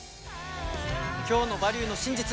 今日の「バリューの真実」